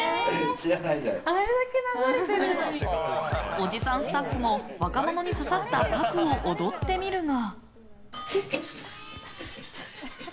おじさんスタッフも若者に刺さった「ＰＡＫＵ」を踊ってみるが。